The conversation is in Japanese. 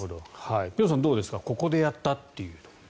辺さん、どうですかここでやったという。